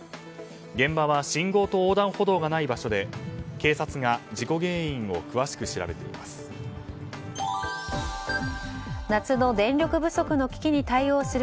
現場は信号と横断歩道がない場所で警察が事故原因を詳しく調べています。